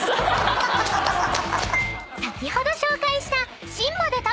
［先ほど紹介した］